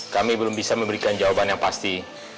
kami belum bisa memberikan jawaban yang pasti